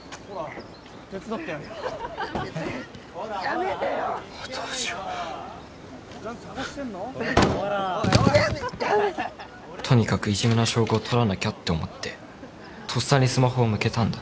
やめやめてとにかくいじめの証拠を撮らなきゃって思ってとっさにスマホを向けたんだ